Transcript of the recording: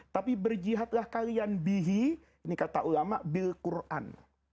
tapi berjihadlah kalian bihi ini kata ulama bilquran